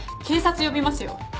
警察呼びますよ？